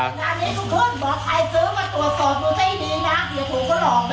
นั้นนี้ทุกคนบอกใครซื้อมาตรวจสอบตัวได้ดีนะ